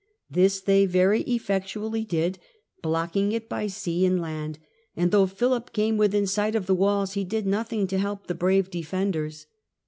This they very effectually did, blocking it by sea and land, and though Philip came within sight of the walls he did nothing to help the brave defenders.